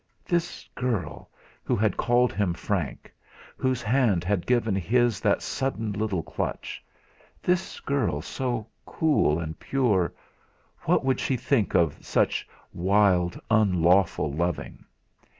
This girl, who had called him Frank, whose hand had given his that sudden little clutch, this girl so cool and pure what would she think of such wild, unlawful loving?